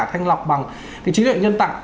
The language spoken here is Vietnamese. thanh lọc bằng cái chế độ nhân tạng